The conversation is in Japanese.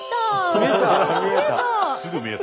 見えた？